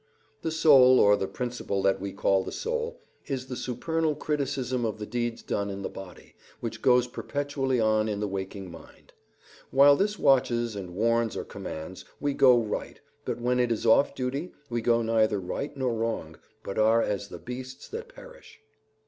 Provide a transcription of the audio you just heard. The soul, or the principle that we call the soul, is the supernal criticism of the deeds done in the body, which goes perpetually on in the waking mind. While this watches, and warns or commands, we go right; but when it is off duty we go neither right nor wrong, but are as the beasts that perish.